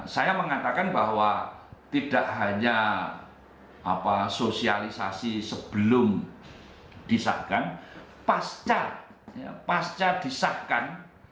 saya mengatakan bahwa tidak hanya sosialisasi sebelum disahkan pasca disahkan